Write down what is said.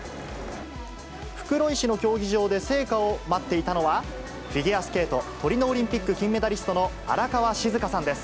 袋井市の競技場で聖火を待っていたのは、フィギュアスケート、トリノオリンピック金メダリストの荒川静香さんです。